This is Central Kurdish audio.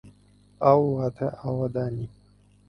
ئاو واتە ئاوەدانی.